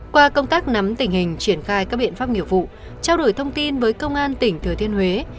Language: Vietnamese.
qua công tác nắm tình hình triển khai các biện pháp nghiệp vụ trao đổi thông tin với công an tỉnh thừa thiên huế